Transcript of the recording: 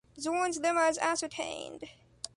Zorn's lemma is ascertained.